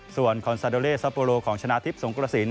ส่วนคอนซาโดเลซัปโปโลของชนะทิพย์สงกระสิน